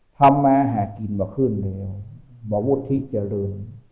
ทำมาหากินมาขึ้นแล้วมาวุฒิเจริญ